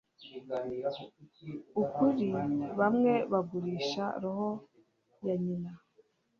ukuri Bamwe bagurisha roho ya nyina